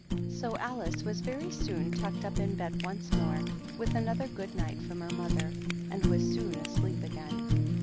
So Alice was very soon tucked up in bed once more, with another good night from her mother, and was soon asleep again.